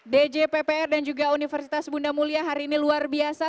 djppr dan juga universitas bunda mulia hari ini luar biasa